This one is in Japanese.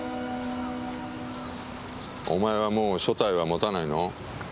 お前はもう所帯は持たないの？